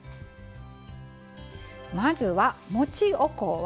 まずは、もちおこわ。